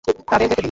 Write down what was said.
তাদের যেতে দিন।